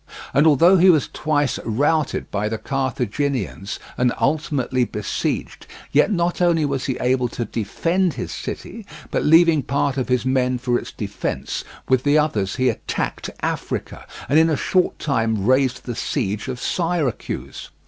And although he was twice routed by the Carthaginians, and ultimately besieged, yet not only was he able to defend his city, but leaving part of his men for its defence, with the others he attacked Africa, and in a short time raised the siege of Syracuse.